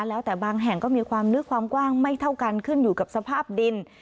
แล้วแต่บางแห่งก็มีความลึกความกว้างไม่เท่ากันขึ้นอยู่กับสภาพดิน